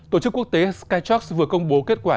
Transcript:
tổ chức quốc tế skytock vừa công bố kết quả